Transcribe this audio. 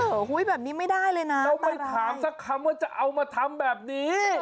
โอ้โหแบบนี้ไม่ได้เลยนะแล้วไม่ถามสักคำว่าจะเอามาทำแบบนี้